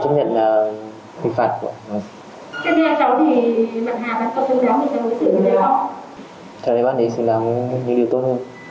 cháu thấy bác ấy xứng đáng những điều tốt hơn